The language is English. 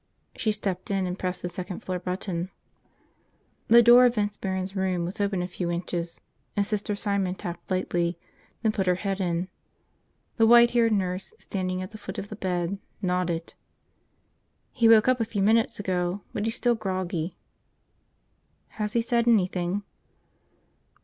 She stepped in and pressed the second floor button. The door of Vince Barron's room was open a few inches, and Sister Simon tapped lightly, then put her head in. The white haired nurse, standing at the foot of the bed, nodded. "He woke up a few minutes ago, but he's still groggy." "Has he said anything?"